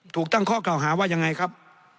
ถูกตั้งข้อกล่าวหาว่ายังไงครับ